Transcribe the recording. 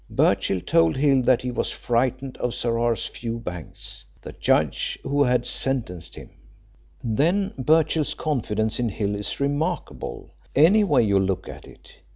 Birchill told Hill that he was frightened of Sir Horace Fewbanks, the judge who had sentenced him. "Then Birchill's confidence in Hill is remarkable, any way you look at it.